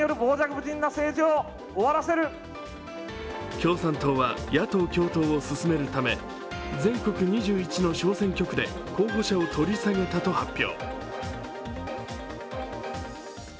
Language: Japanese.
共産党は野党共闘を進めるため全国２１の小選挙区で候補者を取り下げたと発表。